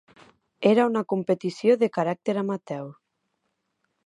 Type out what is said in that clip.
Era una competició de caràcter amateur.